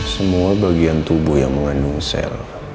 semua bagian tubuh yang mengandung sel